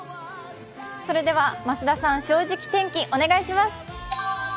それでは増田さん、「正直天気」お願いします。